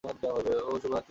শুভ রাত্রি, মা।